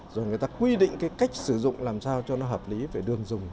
rồi người ta quy định cách sử dụng làm sao cho nó hợp lý phải đường dùng